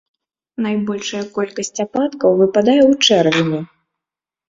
Найбольшая колькасць ападкаў выпадае ў чэрвені.